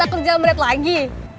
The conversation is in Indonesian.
gak takut jalan beret lagi